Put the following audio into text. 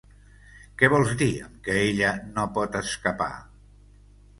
Què vols dir amb que ella no pot escapar?